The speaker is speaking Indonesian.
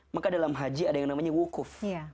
maka dalam haji ada yang namanya wukuf